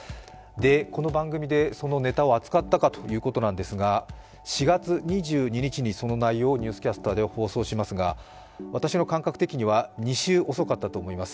この番組でそのネタを扱ったかということなんですが４月２２日にその内容を「ニュースキャスター」で放送しますが、私の感覚的には２週遅かったと思います。